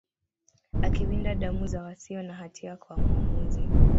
akiwinda damu za wasio na hatia kwa mwamuzi